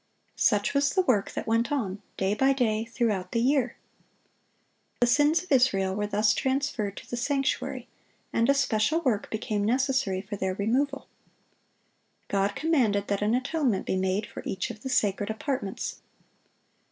Such was the work that went on, day by day, throughout the year. The sins of Israel were thus transferred to the sanctuary, and a special work became necessary for their removal. God commanded that an atonement be made for each of the sacred apartments.